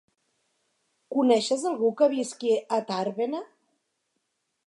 Coneixes algú que visqui a Tàrbena?